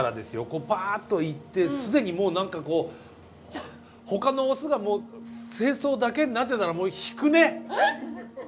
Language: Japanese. こうばっと行って既にもう何かこうほかのオスがもう精巣だけになってたらもう引くね。